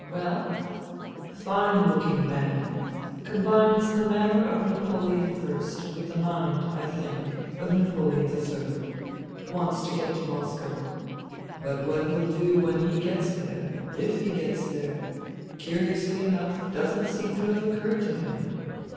" Well ?"" Fine looking man. Combines the manner of Napoleon I with the mind, I think, of Napoleon III. Wants to get to Moscow. But what he'll do when he gets there (if he gets there), curiously enough doesn't seem to have occurred to him